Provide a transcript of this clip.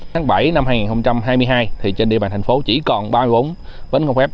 tháng bảy năm hai nghìn hai mươi hai thì trên địa bàn thành phố chỉ còn ba bốn bến không phép